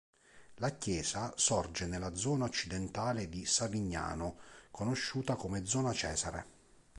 La chiesa sorge nella zona occidentale di Savignano, conosciuta come zona "Cesare".